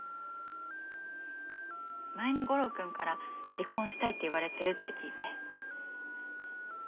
前に悟郎君から離婚したいって言われてるって聞いて。